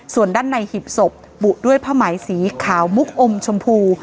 ส่วนด้านในหีบศพบุด้วยผ้าไหมสีขาวมุกอมชมพู